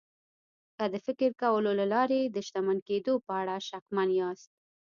که د فکر کولو له لارې د شتمن کېدو په اړه شکمن ياست.